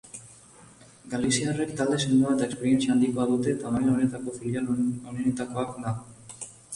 Galiziarrek talde sendoa eta esperientzia handikoa dute eta maila honetako filial onenetakoa da.